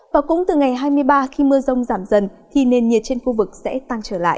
và cũng từ ngày hai mươi ba khi mưa rông giảm dần thì nền nhiệt trên khu vực sẽ tăng trở lại